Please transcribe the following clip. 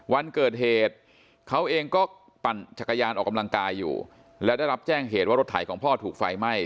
วันเกิดเหตุเขาเองก็ปั่นจักรยานออกกำลังกายอยู่และได้รับแจ้งเหตุว่ารถไถของพ่อถูกไฟไหม้